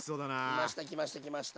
きましたきましたきました。